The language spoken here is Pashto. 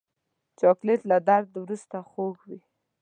چاکلېټ له درد وروسته خوږ وي.